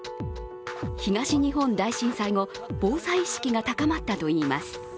東日本大震災後、防災意識が高まったといいます。